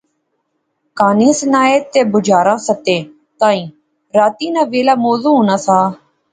کہانی سنائے تہ بنجاراں ستے تائیں راتی ناں ویلا موزوں ہونا سا